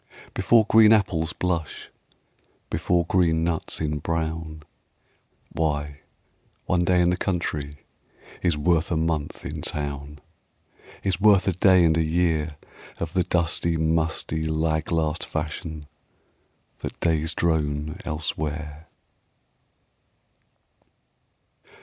Before green apples blush, Before green nuts embrown, Why, one day in the country Is worth a month in town; Is worth a day and a year Of the dusty, musty, lag last fashion That days drone elsewhere.